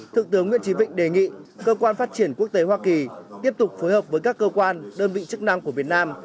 thượng tướng nguyễn trí vịnh đề nghị cơ quan phát triển quốc tế hoa kỳ tiếp tục phối hợp với các cơ quan đơn vị chức năng của việt nam